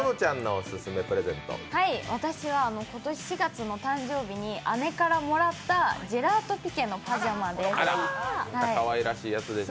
私は４月の誕生日に姉からもらったジェラートピケのパジャマです。